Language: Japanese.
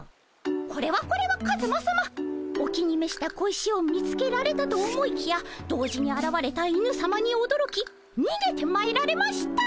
これはこれはカズマさまお気に召した小石を見つけられたと思いきや同時にあらわれた犬さまにおどろきにげてまいられました。